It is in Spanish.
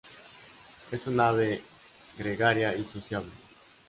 Es un ave gregaria y sociable.